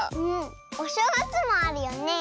おしょうがつもあるよねえ。